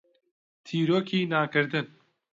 تیرۆکی نانکردن.